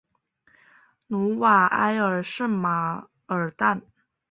努瓦埃尔圣马尔坦。